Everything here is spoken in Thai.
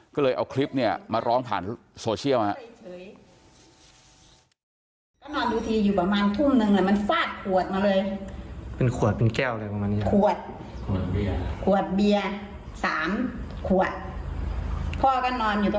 ก็เลยเอาคลิปเนี่ยมาร้องผ่านโซเชียลฮะ